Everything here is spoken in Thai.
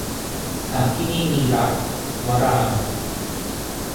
หากที่นี่มีรัก - วรางค์